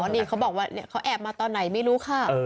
อ๋อนี่เขาแอบมาตอนไหนไม่รู้ค่ะ